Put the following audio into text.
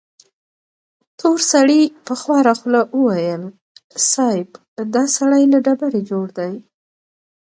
تور سړي په خواره خوله وويل: صيب! دا سړی له ډبرې جوړ دی.